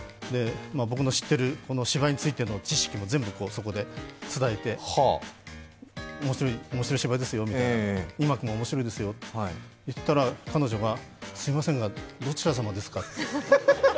僕の知ってる芝居についての知識も全部そこで伝えて、面白い芝居ですよ、二幕も面白いですよと言ったら彼女が、すみませんが、どちらさまですかと。